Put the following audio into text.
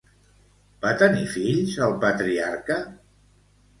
Va tenir fills el patriarca?